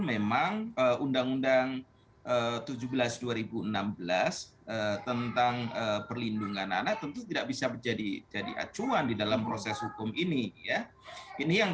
memang undang undang tujuh belas dua ribu enam belas tentang perlindungan anak tentu tidak bisa menjadi acuan di dalam proses hukum ini